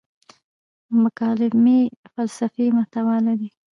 مکالمې فلسفي محتوا لري.